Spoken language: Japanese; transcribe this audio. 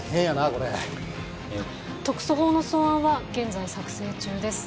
これ特措法の草案は現在作成中です